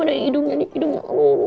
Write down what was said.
aduh mana hidungnya nih hidungnya